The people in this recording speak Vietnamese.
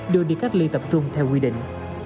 đưa đi cách ly tập trung theo quy định